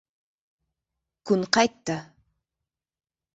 Kun qaytdi.